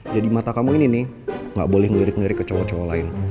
jadi mata kamu ini nih gak boleh ngelirik ngelirik ke cowok cowok lain